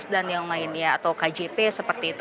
dan yang lainnya atau kjp seperti itu